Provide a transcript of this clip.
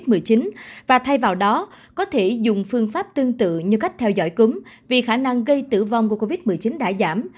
trước đó ông đã cho thấy có thể có thể dùng phương pháp tương tự như cách theo dõi cúm vì khả năng gây tử vong của covid một mươi chín đã giảm